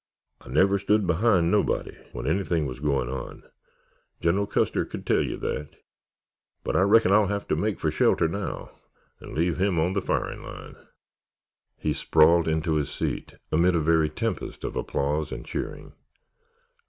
I never stood behind nobuddy when anythin' wuz goin' on—Gen'l Custer cud tell ye that—but I reckon I'll have ter make fer shelter naow 'n' leave him on the firin' line." He sprawled into his seat amid a very tempest of applause and cheering.